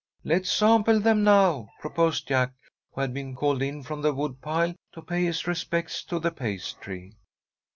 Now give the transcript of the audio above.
"Let's sample them now," proposed Jack, who had been called in from the wood pile to pay his respects to the pastry.